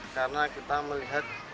karena kita melihat